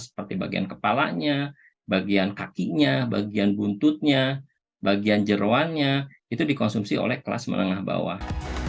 seperti bagian kepalanya bagian kakinya bagian buntutnya bagian jerawannya itu dikonsumsi oleh kelas menengah bawah